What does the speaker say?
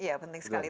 iya penting sekali